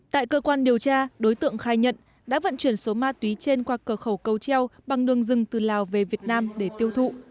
tại cơ quan điều tra đối tượng khai nhận đã vận chuyển số ma túy trên qua cửa khẩu cầu treo bằng đường rừng từ lào về việt nam để tiêu thụ